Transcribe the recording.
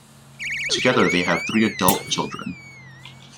Together they have three adult children.